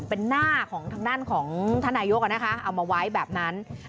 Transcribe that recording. เป็นหน้าของทางนั้นของท่านนายโยคอะนะคะเอามาไว้แบบนั้น